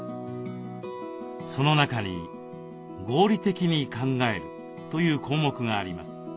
その中に「合理的に考える」という項目があります。